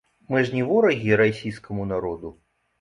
Мы ж не ворагі расійскаму народу.